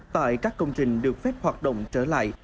tại các công trình được phép hoạt động trở lại